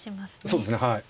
そうですねはい。